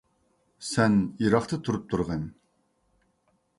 سەن يىراقتا تۇرۇپ تۇرغىن.